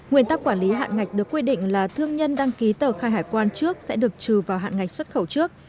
nguyên tắc quản lý hạn ngạch được quy định là thương nhân đăng ký tờ khai hải quan trước sẽ được trừ vào hạn ngạch xuất khẩu trước